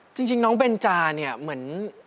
จริงเนี่ยน้องเบนจาเหมือน